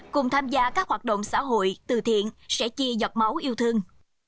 cùng tham gia các hoạt động xã hội từ thiện sẽ chia giọt máu yêu thương